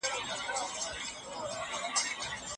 حضوري تدريس سمدستي پوښتنو ته ځواب ورکوي.